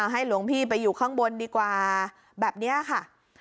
หลวงพี่ไปอยู่ข้างบนดีกว่าแบบนี้ค่ะ